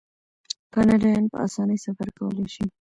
کاناډایان په اسانۍ سفر کولی شي.